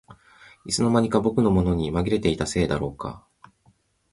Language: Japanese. いつの間にか僕のものにまぎれていたせいだろうか